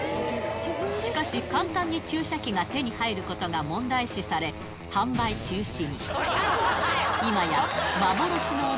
しかし、簡単に注射器が手に入ることが問題視され、販売中止に。